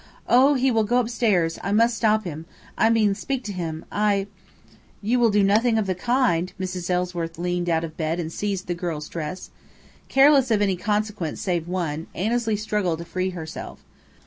"Oh, he will go upstairs! I must stop him I mean, speak to him! I " "You will do nothing of the kind!" Mrs. Ellsworth leaned out of bed and seized the girl's dress. Careless of any consequence save one, Annesley struggled to free herself.